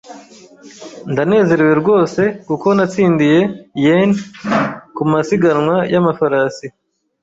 Ndanezerewe rwose kuko natsindiye yen kumasiganwa yamafarasi